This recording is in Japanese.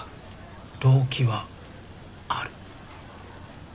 動機はある？